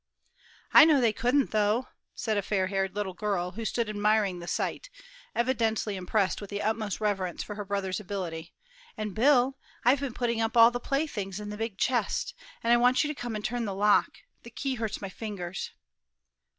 "I know they couldn't, though," said a fair haired little girl, who stood admiring the sight, evidently impressed with the utmost reverence for her brother's ability; "and, Bill, I've been putting up all the playthings in the big chest, and I want you to come and turn the lock the key hurts my fingers."